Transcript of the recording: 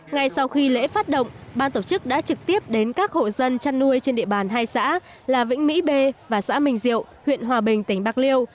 ngay sau khi lễ phát động ban tổ chức đã trực tiếp đến các hộ dân chăn nuôi trên địa bàn hai xã là vĩnh mỹ b và xã minh diệu huyện hòa bình tỉnh bạc liêu